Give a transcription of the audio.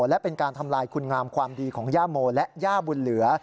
และเป็นการทำลายคุณงามความดีของย่าโมและย่าบุญเหลือ